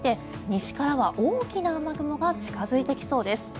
西からは大きな雨雲が近付いてきそうです。